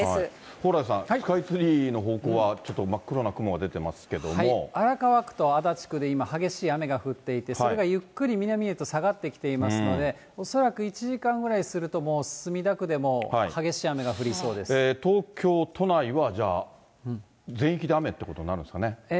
蓬莱さん、スカイツリーの方向はちょっと真っ黒な雲が出てま荒川区と足立区で今、激しい雨が降っていて、それがゆっくり南へと下がってきていますので、恐らく１時間ぐらいすると、もう墨田区でも激しい雨が降りそうで東京都内はじゃあ、全域で雨っていうことになるんですかね。